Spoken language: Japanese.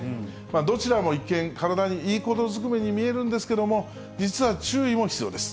どちらも一見、体にいいこと尽くめに見えるんですけれども、実は注意も必要です。